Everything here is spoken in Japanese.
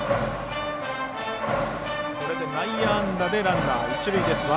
これで内野安打でランナー、一塁。